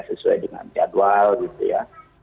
sesuai dengan jadwal gitu ya